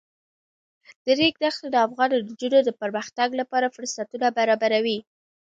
د ریګ دښتې د افغان نجونو د پرمختګ لپاره فرصتونه برابروي.